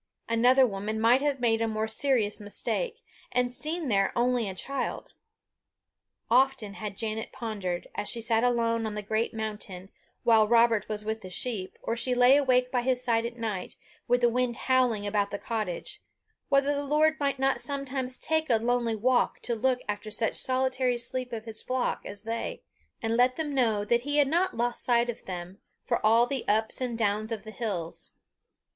Another woman might have made a more serious mistake, and seen there only a child. Often had Janet pondered, as she sat alone on the great mountain, while Robert was with the sheep, or she lay awake by his side at night, with the wind howling about the cottage, whether the Lord might not sometimes take a lonely walk to look after such solitary sheep of his flock as they, and let them know he had not lost sight of them, for all the ups and downs of the hills.